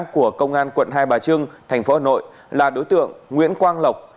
của công an quận hai bà trưng tp hà nội là đối tượng nguyễn quang lộc